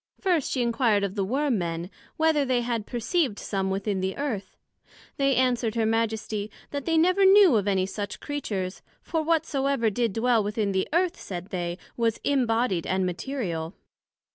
First, she enquired of the Worm men, whether they had perceived some within the Earth? They answered her Majesty, That they never knew of any such Creatures; for whatsoever did dwell within the Earth, said they, was imbodied and material.